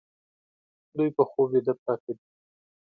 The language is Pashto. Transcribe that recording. دوی په خوب ویده پراته دي